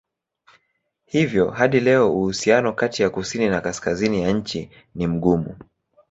Hivyo hadi leo uhusiano kati ya kusini na kaskazini ya nchi ni mgumu.